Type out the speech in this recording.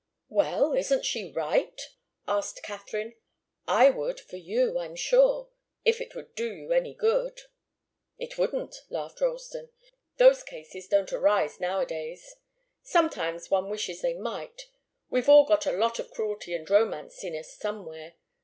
"Well isn't she right?" asked Katharine. "I would, for you, I'm sure if it would do you any good." "It wouldn't," laughed Ralston. "Those cases don't arise nowadays. Sometimes one wishes they might. We've all got a lot of cruelty and romance in us somewhere.